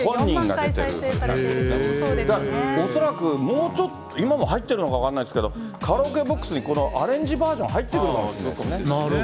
もうちょっと、今も入ってるのか分からないですけど、カラオケボックスにこのアレンジバージョン入ってるかもしれない。